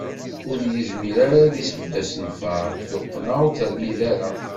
Ur yezmir ara ad isbedd asenfaṛ, tuqqna ur termid ara.